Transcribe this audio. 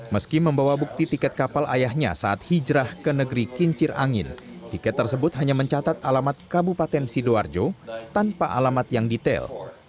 meski membawa bukti tiket kapal ayahnya saat hijrah ke negeri kincir angin tiket tersebut hanya mencatat alamat kabupaten sidoarjo tanpa alamat yang detail